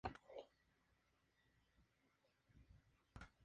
Se llevaba en prácticas su hermano Lluís.